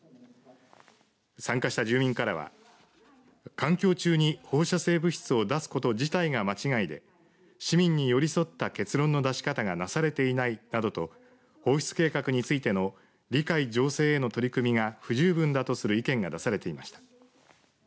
参加した住民からは環境中に放射性物質を出すこと自体が間違いで市民に寄り添った結論の出し方がなされていないなどと放出計画についての理解醸成への取り決めが不十分だとする意見が出されていました。